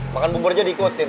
makan bubur aja diikutin